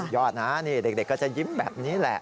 ยอดนะนี่เด็กก็จะยิ้มแบบนี้แหละ